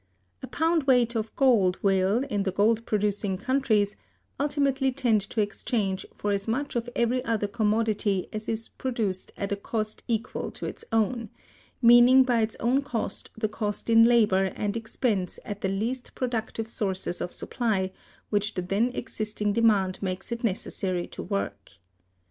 A pound weight of gold will, in the gold producing countries, ultimately tend to exchange for as much of every other commodity as is produced at a cost equal to its own; meaning by its own cost the cost in labor and expense at the least productive sources of supply which the then existing demand makes it necessary to work.